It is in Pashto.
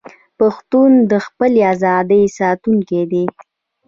پښتون د خپلې ازادۍ ساتونکی دی.